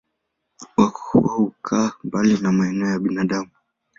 Wao hukaa mbali na maeneo ya binadamu.